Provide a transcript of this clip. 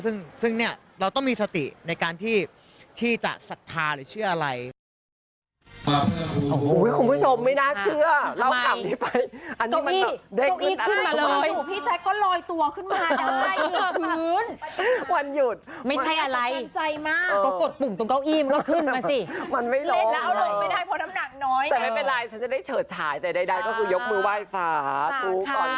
ซึ่งเนี่ยเราต้องมีสติในการที่จะศรัทธาหรือเชื่ออะไร